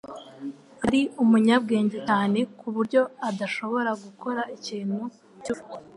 Ari umunyabwenge cyane kuburyo adashobora gukora ikintu cyubupfu.